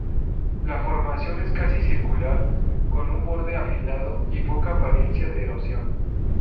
La formación es casi circular, con un borde afilado y poca apariencia de erosión.